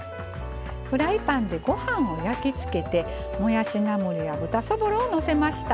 フライパンでご飯を焼き付けてもやしナムルや豚そぼろをのせました。